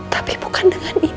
tapi bukan dengan ini